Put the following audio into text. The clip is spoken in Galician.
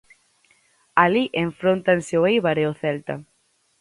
Alí enfróntanse o Eibar e o Celta.